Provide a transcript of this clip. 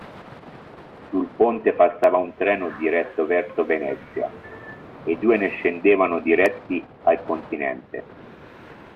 Sul ponte passava un treno diretto verso Venezia e due ne scendevano diretti al continente.